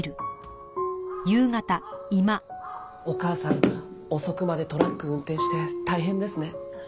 お母さん遅くまでトラック運転して大変ですね。